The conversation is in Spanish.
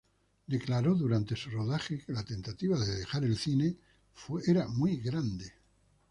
Declaró durante su rodaje que la tentación de dejar el cine fue muy grande.